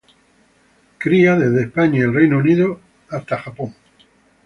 Cría desde España y el Reino Unido hasta Japón.